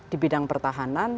di bidang pertahanan